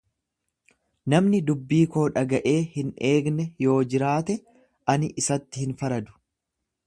Namni dubbii koo dhaga’ee hin eegne yoo jiraate, ani isatti hin faradu.